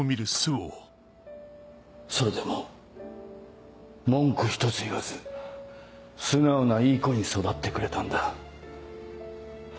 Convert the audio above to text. それでも文句ひとつ言わず素直ないい子に育ってくれたんだ。